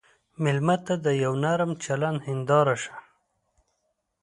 مېلمه ته د یوه نرم چلند هنداره شه.